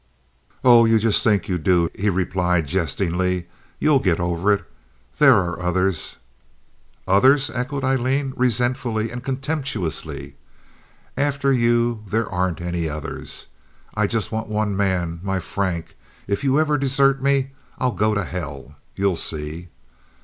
"Oh, you just think you do," he replied, jestingly. "You'll get over it. There are others." "Others!" echoed Aileen, resentfully and contemptuously. "After you there aren't any others. I just want one man, my Frank. If you ever desert me, I'll go to hell. You'll see."